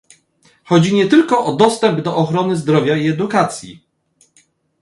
Chodzi nie tylko o dostęp do ochrony zdrowia i edukacji